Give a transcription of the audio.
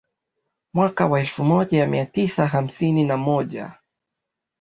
Mwaka wa elfu moja mia tisa hamsini na moja